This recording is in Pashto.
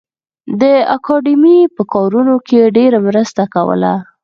د اکاډمۍ په کارونو کې ډېره مرسته کوله